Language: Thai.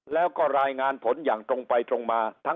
แล้วก็รายงานผลอย่างตรงไปตรงมา